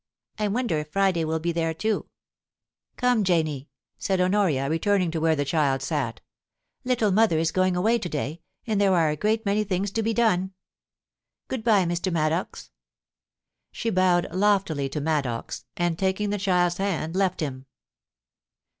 I wonder if Friday will be there too?* * Come, Janie,' said Honoria, returning to where the child THE LIPS THAT WERE NEAREST. 209 sat * Little mother is going away to day, and there are a great many things to be done. Good bye, Mr. Maddox.' She bowed loftily to Maddox, and taking the child's hand, left him.